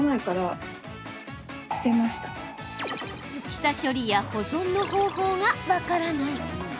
下処理や保存の方法が分からない。